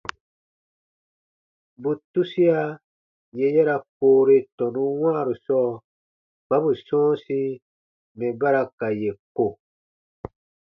Bù tusia yè ya ra koore tɔnun wãaru sɔɔ kpa bù sɔ̃ɔsi mɛ̀ ba ra ka yè ko.